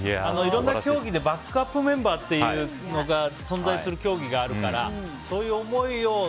いろんな競技でバックアップメンバーというのが存在する競技があるからそういう思いを。